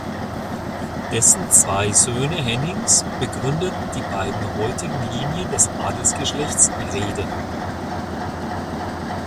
Dessen zwei Söhne Hennings begründeten die beiden heutigen Linien des Adelsgeschlechts Reden.